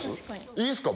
いいっすか？